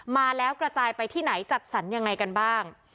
มาแล้วกระจายไปที่ไหนจัดสรรยังไงกันบ้าง